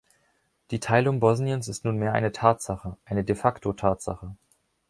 Die Teilung Bosniens ist nunmehr eine Tatsache, eine de-facto-Tatsache.